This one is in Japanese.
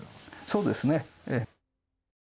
そうですねええ。